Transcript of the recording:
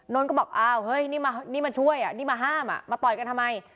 นนท์ก็บอกนี่มาช่วยนี่มาห้ามมาต่อยกันทำไม